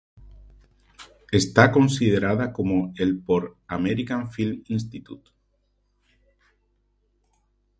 Está considerada como el por el American Film Institute.